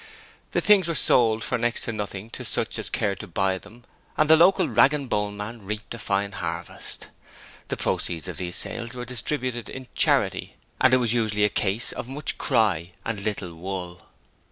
The things were sold for next to nothing to such as cared to buy them, and the local rag and bone man reaped a fine harvest. The proceeds of these sales were distributed in 'charity' and it was usually a case of much cry and little wool.